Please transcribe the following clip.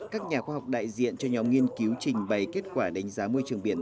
các nhà khoa học đại diện cho nhóm nghiên cứu trình bày kết quả đánh giá môi trường biển